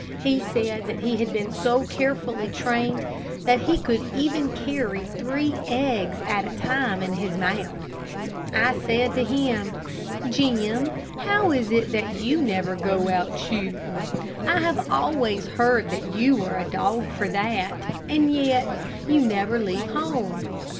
He said that he had been so carefully trained that he could even carry three eggs at a time in his mouth. I said to him, "Jim, how is it that you never go out shooting? I have always heard that you were a dog for that, and yet you never leave home."